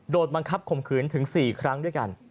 โดนบังคับข่มขืนถึง๔ครั้งด้วยกัน